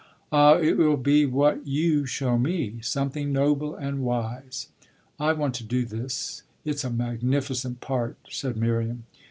"Ah it will be what you show me something noble and wise!" "I want to do this; it's a magnificent part," said Miriam.